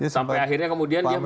sampai akhirnya kemudian dia